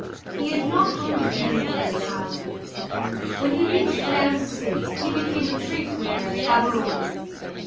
He had not learned to read in his childhood. When he reached man's estate, he became a tree pruner at Faverolles.